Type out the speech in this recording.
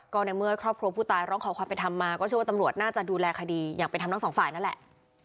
ก็ในเมื่อครอบครัวผู้ตายร้องขอความเป็นธรรมมาก็เชื่อว่าตำรวจน่าจะดูแลคดีอย่างเป็นธรรมทั้งสองฝ่ายนั่นแหละ